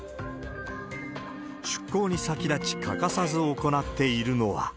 出航に先立ち、欠かさず行っているのは。